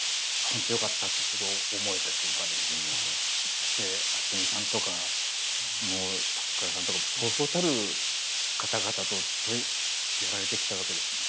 だって渥美さんとか高倉さんとかそうそうたる方々とずっとやられてきたわけですもん。